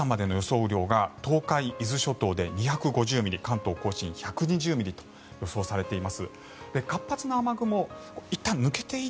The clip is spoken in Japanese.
雨量が東海、伊豆諸島で２５０ミリ関東・甲信１２０ミリと予想されています。